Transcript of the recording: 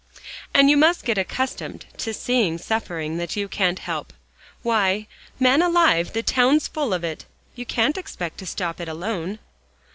"And you must get accustomed to seeing suffering that you can't help. Why, man alive, the town's full of it; you can't expect to stop it alone."